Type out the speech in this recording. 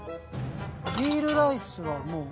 ビールライスは。